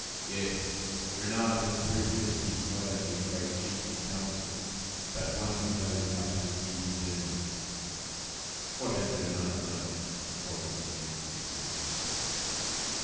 Yes! Renard has proved that he is not only a great chief in council, but one who knows how to deceive his enemies!" "What has Renard done?" coldly demanded the Indian.